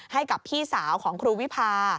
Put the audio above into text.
ให้กับพี่สาวของครูวิพา